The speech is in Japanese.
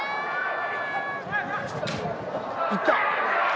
いった！